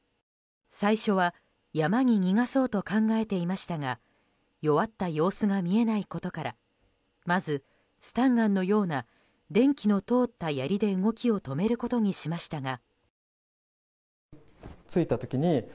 最初は山に逃がそうと考えていましたが弱った様子が見えないことからまず、スタンガンのような電気の通ったやりで動きを止めることにしましたが。